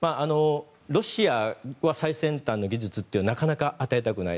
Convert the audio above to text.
ロシアは最先端の技術ってなかなか与えたくない。